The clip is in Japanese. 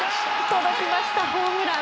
届きました、ホームラン。